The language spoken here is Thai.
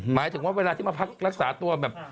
หมายถึงว่าเวลาที่มาพักรักษาตัวแบบ